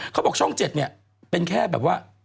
เขาบอกช่อง๗เนี่ยเป็นแค่แบบว่า